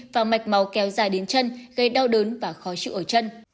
và mạch máu kéo dài đến chân gây đau đớn và khó chịu ở chân